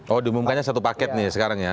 kalau diumumkannya satu paket nih sekarang ya